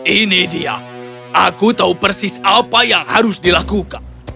ini dia aku tahu persis apa yang harus dilakukan